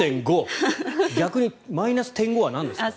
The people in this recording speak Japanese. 逆にマイナス０．５はなんですか？